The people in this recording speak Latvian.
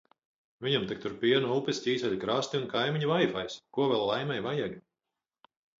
Viņam tak tur piena upes, ķīseļa krasti un kaimiņa vaifajs! Ko vēl laimei vajag?